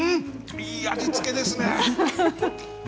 いい味付けですね